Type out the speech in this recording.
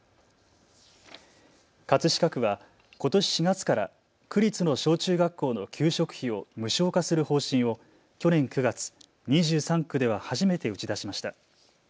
葛飾区はことし４月から区立の小中学校の給食費を無償化する方針を去年９月、２３区では初めて打ち出しました。